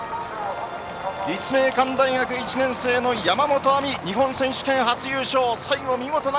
立命館大学１年生の山本亜美日本選手権初優勝。